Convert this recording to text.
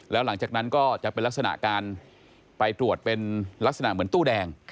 แล้วหลังจากนั้นก็จะเป็นลักษณะการไปตรวจเป็นลักษณะเหมือนตู้แดง